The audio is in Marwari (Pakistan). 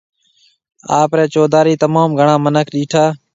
آپرَي چوڌاري تموم گھڻا مِنک ڏيٺا۔